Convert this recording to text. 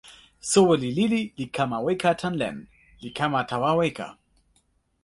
soweli lili li kama weka tan len, li kama tawa weka.